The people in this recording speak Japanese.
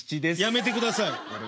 やめてください。